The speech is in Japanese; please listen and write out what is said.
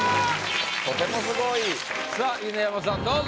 ・とてもすごい・さぁ犬山さんどうぞ。